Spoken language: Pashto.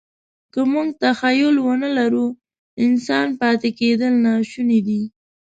که موږ تخیل ونهلرو، انسان پاتې کېدل ناشوني دي.